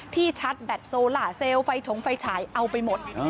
ชัดแบตโซล่าเซลล์ไฟฉงไฟฉายเอาไปหมด